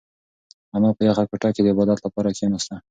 انا په یخه کوټه کې د عبادت لپاره کښېناسته.